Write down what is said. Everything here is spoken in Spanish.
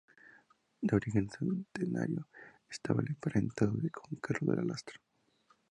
De origen santanderino, estaba emparentado con Carlos de la Lastra.